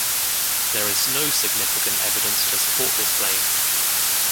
There is no significant evidence to support this claim.